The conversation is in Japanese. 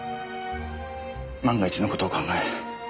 万が一の事を考え